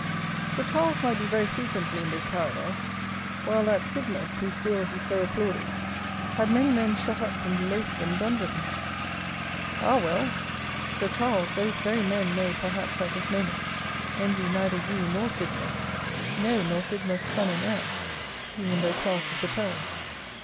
"Sir Charles" might be very frequently in this paradise, while that Sidmouth, whose Bill he so applauded, had many men shut up in loathsome dungeons! Ah, well! "Sir Charles," those very men may, perhaps, at this moment, envy neither you nor Sidmouth; no, nor Sidmouth's son and heir, even though Clerk of the Pells.